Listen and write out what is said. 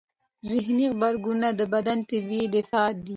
ذهني غبرګونونه د بدن طبیعي دفاع دی.